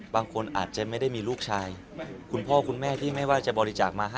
บางคนอาจจะไม่ได้มีลูกชายคุณพ่อคุณแม่ที่ไม่ว่าจะบริจาคมาให้